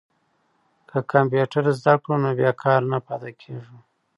که کمپیوټر زده کړو نو بې کاره نه پاتې کیږو.